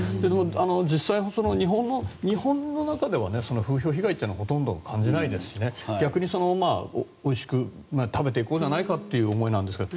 実際、日本の中では風評被害はほとんど感じないですし逆においしく食べていこうじゃないかという思いなんですけど。